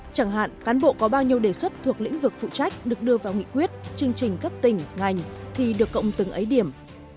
chẳng hạn cán bộ có bao nhiêu đề xuất thuộc lĩnh vực phụ trách được đưa vào nghị quyết chương trình cấp tỉnh ngành thì được cộng từng ấy điểm